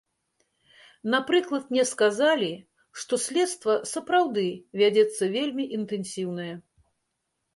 Напрыклад, мне сказалі, што следства, сапраўды, вядзецца вельмі інтэнсіўнае.